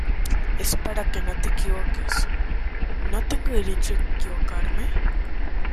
es para que no te equivoques. ¿ no tengo derecho a equivocarme?